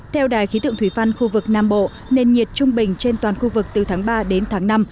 theo đài khí tượng thủy văn khu vực nam bộ nền nhiệt trung bình trên toàn khu vực từ tháng ba đến tháng năm